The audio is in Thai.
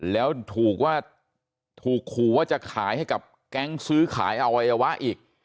แล้วถูกว่าถูกขู่ว่าจะขายให้กับแก๊งซื้อขายอวัยวะอีก